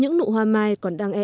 những nụ hoa mai còn đang e ấp